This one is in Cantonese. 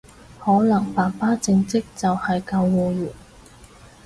可能爸爸正職就係救護員